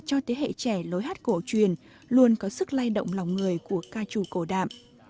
cho thế hệ trẻ lối hát cổ truyền luôn có sức lai động lòng người của ca trù cổ đạm